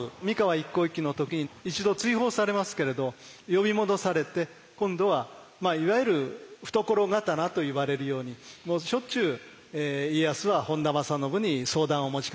一向一揆の時に一度追放されますけれど呼び戻されて今度はいわゆる懐刀といわれるようにもうしょっちゅう家康は本多正信に相談を持ちかけていく。